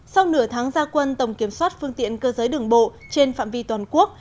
sau nửa tháng gia quân tổng kiểm soát phương tiện cơ giới đường bộ trên phạm vi toàn quốc